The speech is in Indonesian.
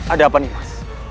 ada apa nimas